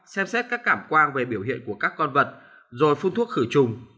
xem xét các cảm quan về biểu hiện của các con vật rồi phun thuốc khử trùng